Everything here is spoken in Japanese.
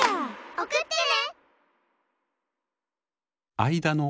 おくってね。